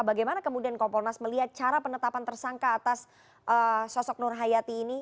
bagaimana kemudian kompolnas melihat cara penetapan tersangka atas sosok nur hayati ini